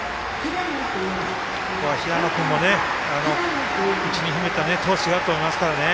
ここは平野君も内に秘めた闘志があると思いますからね。